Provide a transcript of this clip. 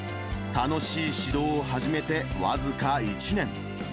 楽しい指導を始めて僅か１年。